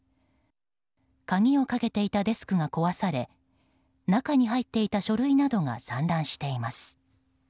鍵をかけていたデスクが壊され中に入っていた書類などが散乱しています。